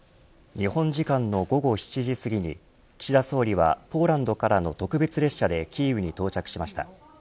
日本時間の午後７時すぎに岸田総理は、ポーランドからの特別列車でキーウに到着しました。